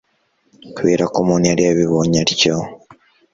kuberako umuntu yari yabibonye atyo